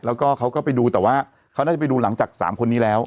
แล้วก็เขาก็ไปดูแต่ว่าเขาน่าจะไปดูหลังจาก๓คนนี้แล้ว